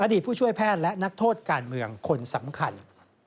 ดีผู้ช่วยแพทย์และนักโทษการเมืองคนสำคัญ